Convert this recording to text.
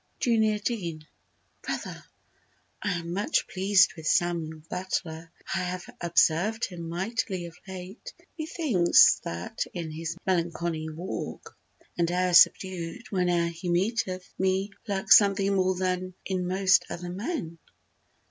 JUNIOR DEAN: Brother, I am much pleased with Samuel Butler, I have observed him mightily of late; Methinks that in his melancholy walk And air subdued when'er he meeteth me Lurks something more than in most other men.